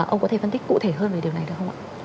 ông có thể phân tích cụ thể hơn về điều này được không ạ